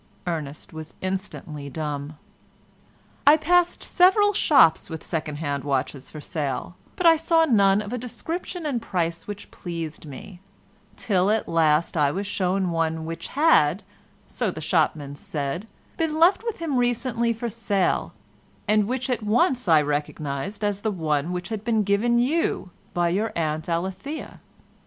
Ernest was instantly dumb. "I passed several shops with second hand watches for sale, but I saw none of a description and price which pleased me, till at last I was shown one which had, so the shopman said, been left with him recently for sale, and which I at once recognised as the one which had been given you by your Aunt Alethea.